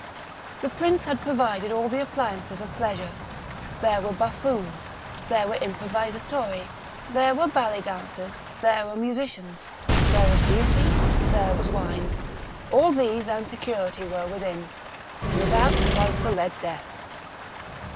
The prince had provided all the appliances of pleasure. There were buffoons, there were improvisatori, there were ballet dancers, there were musicians, there was Beauty, there was wine. All these and security were within. Without was the "Red Death."